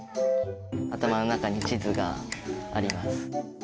頭の中に地図があります。